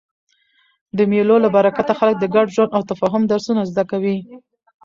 د مېلو له برکته خلک د ګډ ژوند او تفاهم درسونه زده کوي.